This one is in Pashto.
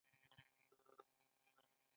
د یفتلیانو سپین هونیان دلته راغلل